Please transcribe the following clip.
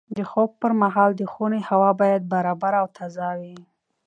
د خوب پر مهال د خونې هوا باید برابره او تازه وي.